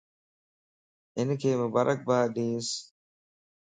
ھنک مبارڪباد ڏينس